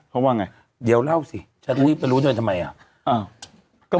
เพราะว่าไงเดี๋ยวเล่าสิฉันต้องรีบไปรู้ด้วยทำไมอ่ะ